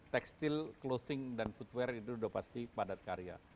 tekstil clothing dan footwear itu sudah pasti padat karya